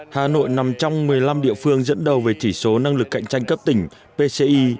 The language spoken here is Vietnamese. hà nội nằm trong một mươi năm địa phương dẫn đầu về chỉ số năng lực cạnh tranh cấp tỉnh pci